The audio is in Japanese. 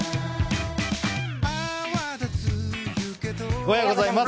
おはようございます。